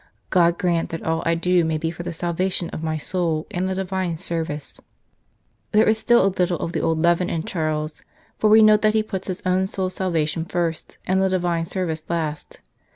... God grant that all I do may be for the salvation of my soul and the Divine service." There is still a little of the old leaven in Charles, for we note that he puts his own soul s salvation first, and the Divine service last.